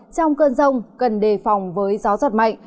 trong cơn rông cần đề phòng với gió giật mạnh